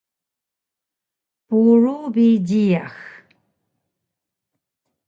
Purug bi jiyax